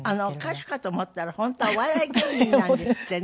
歌手かと思ったら本当はお笑い芸人なんですってね。